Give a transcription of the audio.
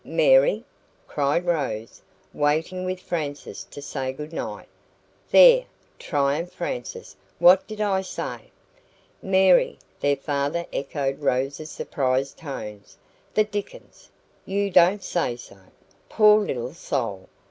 MARY?" cried Rose, waiting with Frances to say goodnight. "There!" triumphed Frances, "what did I say?" "MARY!" their father echoed Rose's surprised tone. "The dickens! You don't say so. Poor little soul!